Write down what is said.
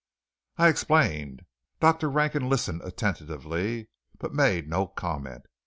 I explained. Dr. Rankin listened attentively, but made no comment.